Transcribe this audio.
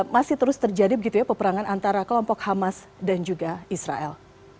masih terus terjadi begitu ya peperangan antara kelompok hamas dan juga israel